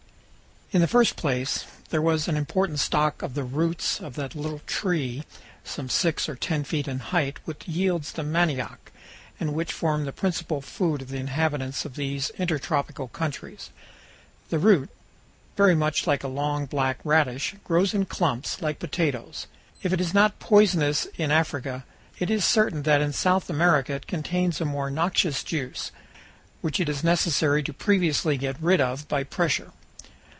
In the first place, there was an important stock of the roots of that little tree, some six or ten feet in height, which yields the manioc, and which form the principal food of the inhabitants of these inter tropical countries. The root, very much like a long black radish, grows in clumps like potatoes. If it is not poisonous in Africa, it is certain that in South America it contains a more noxious juice, which it is necessary to previously get rid of by pressure.